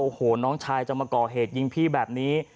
โอ้โหน้องชายจะมาก่อเหตุยิงพี่แบบนี้